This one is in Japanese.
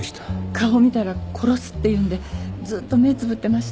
顔を見たら殺すって言うんでずっと目つぶってました。